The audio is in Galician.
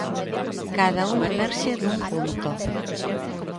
Cada un emerxe dun punto.